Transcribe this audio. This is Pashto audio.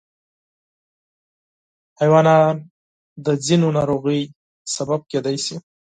حیوانات د ځینو ناروغیو سبب کېدای شي.